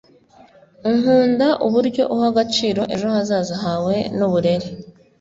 nkunda uburyo uha agaciro ejo hazaza hawe nuburere